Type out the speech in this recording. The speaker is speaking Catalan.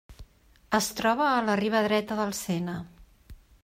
Es troba a la riba dreta del Sena.